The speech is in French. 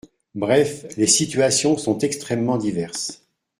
Bref, les situations sont extrêmement diverses.